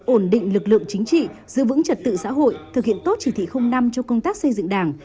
ổn định lực lượng chính trị giữ vững trật tự xã hội thực hiện tốt chỉ thị năm cho công tác xây dựng đảng